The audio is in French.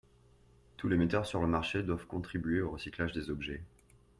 Tous les metteurs sur le marché doivent contribuer au recyclage des objets.